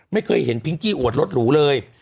ไม่เคยเห็นพิงกี้อวดรถหรูเลย